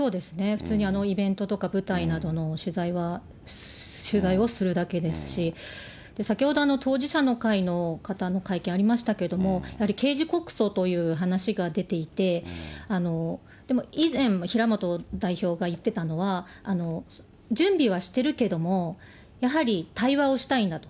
普通にイベントとか舞台などの取材をするだけですし、先ほど、当事者の会の方の会見ありましたけれども、やはり刑事告訴という話が出ていて、でも以前、平本代表が言っていたのは、準備はしてるけども、やはり対話をしたいんだと。